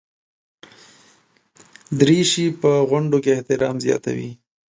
دریشي په غونډو کې احترام زیاتوي.